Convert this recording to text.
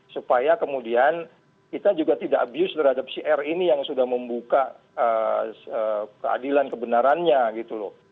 supaya kemudian kita juga tidak abuse terhadap si r ini yang sudah membuka keadilan kebenarannya gitu loh